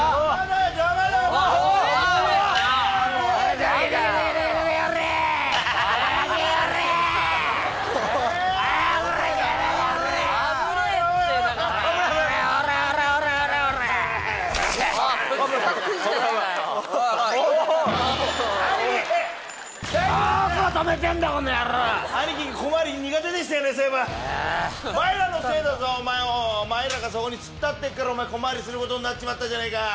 お前らがそこに突っ立ってっから小回りすることになっちまったじゃねえか。